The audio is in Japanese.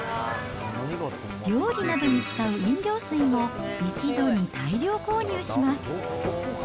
料理などに使う飲料水も、一度に大量購入します。